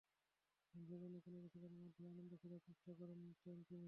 মানুষের জন্য কোনো কিছু করার মাধ্যমে আনন্দ খোঁজার চেষ্টা করতেন তিনি।